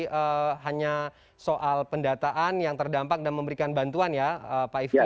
jadi ini hanya soal pendataan yang terdampak dan memberikan bantuan ya pak ifki ya